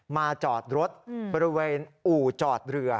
จอดรถบริเวณอู่จอดเรือ